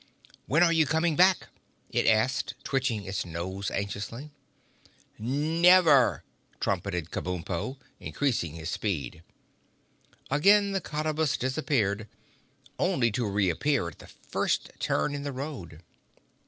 "When are you coming back?" it asked, twitching its nose anxiously. "Never!" trumpeted Kabumpo, increasing his speed. Again the Cottabus disappeared, only to reappear at the first turn in the road.